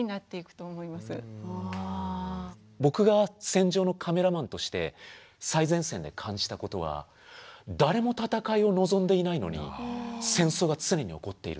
僕が戦場のカメラマンとして最前線で感じたことは誰も戦いを望んでいないのに戦争が常に起こっている。